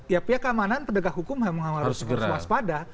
ya pihak keamanan pendegah hukum memang harus waspada